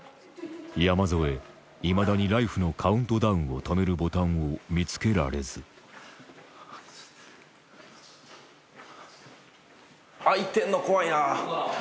山添いまだにライフのカウントダウンを止めるボタンを見つけられず開いてんの怖いな。